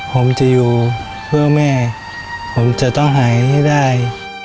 ผมจะอยู่เพื่อแม่ผมจะต้องหายให้ได้